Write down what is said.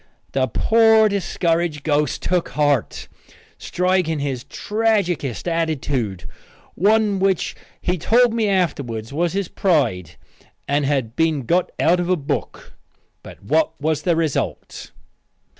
The poor discouraged ghost took heart, striking his tragicest attitude, one which he told me afterwards was his pride and had been got out of a book. But what was the result?